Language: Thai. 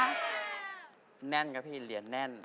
แน่นครับพี่เหรียญแน่น